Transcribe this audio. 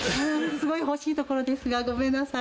すごい欲しいところですがごめんなさい。